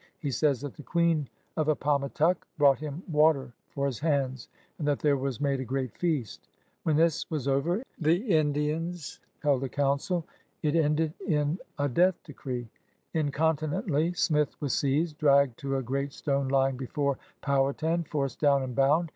He says that the Quelen of Appamatuck brought him water for his hands, and that there Was made a great feast. When this was over, the Indians held a council. It 46 PIONEERS OF THE OLD SOUTH ended in a death decree. Incontinently Smith was seized, dragged to a great stone lying before Powhatan, forced down and bound.